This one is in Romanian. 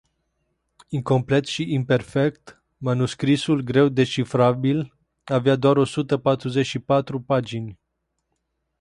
Incomplet și imperfect, manuscrisul greu descifrabil avea doar o sută patruzeci și patru pagini.